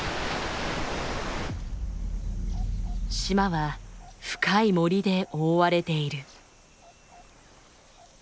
島は深い森で覆われている。